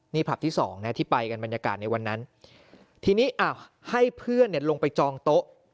นี่ผับที่สองนะที่ไปกันบรรยากาศในวันนั้นทีนี้ให้เพื่อนลงไปจองโต๊ะ